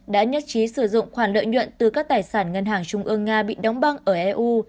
đã nhất trí sử dụng khoản lợi nhuận từ các tài sản ngân hàng trung ương nga bị đóng băng ở eu